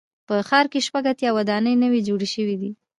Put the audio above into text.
په ښار کې شپږ اتیا ودانۍ نوي جوړې شوې دي.